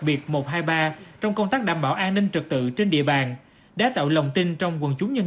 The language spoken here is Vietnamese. biệt một trăm hai mươi ba trong công tác đảm bảo an ninh trực tự trên địa bàn đã tạo lòng tin trong quần chúng nhân